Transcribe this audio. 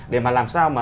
để mà làm sao